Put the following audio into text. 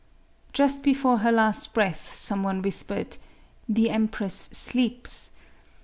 Just before her last breath, some one whispered, " The empress sleeps."